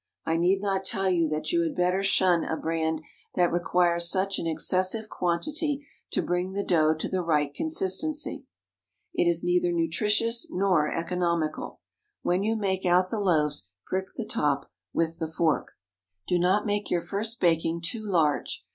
I need not tell you that you had better shun a brand that requires such an excessive quantity to bring the dough to the right consistency. It is neither nutritious nor economical. When you make out the loaves, prick the top with the fork. Do not make your first baking too large.